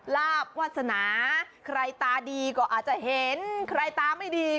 ลาบวาสนา